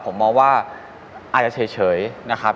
ผมมองว่าอาจจะเฉยนะครับ